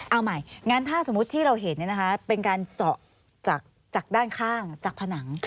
เอาใหม่งั้นถ้าสมมุติที่เราเห็นเป็นการเจาะจากด้านข้างจากผนัง